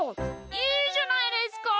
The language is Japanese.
いいじゃないですか。